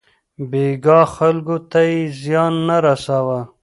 بې ګناه خلکو ته يې زيان نه رساوه.